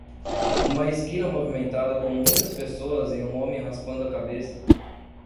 Uma esquina movimentada com muitas pessoas e um homem raspando a cabeça